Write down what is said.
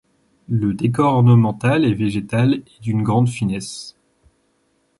Le décor ornemental et végétal est d'une grande finesse.